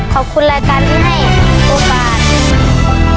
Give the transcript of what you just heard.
ขอบคุณรายการที่ให้ตัวบาท